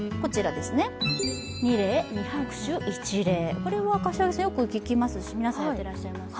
これはよく聞きますし、皆さんよくやってらっしゃいますね？